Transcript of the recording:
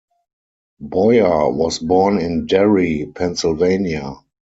Boyer was born in Derry, Pennsylvania.